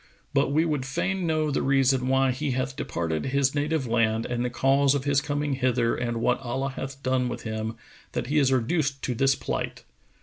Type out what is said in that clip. But we would fain know the reason why he hath departed his native land and the cause of his coming hither and what Allah hath done with him, that he is reduced to this plight?"